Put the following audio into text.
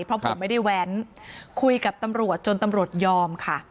เพราะผมไม่ได้แว้นคุยกับตำรวจจนตำรวจยอมค่ะ